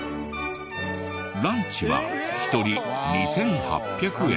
ランチは一人２８００円。